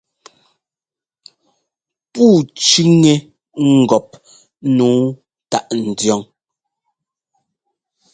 Pûu cʉ́ŋɛ ŋgɔp nǔu táʼ ndiɔn.